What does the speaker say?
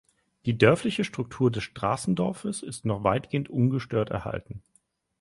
Die dörfliche Struktur des Straßendorfes ist noch weitgehend ungestört erhalten.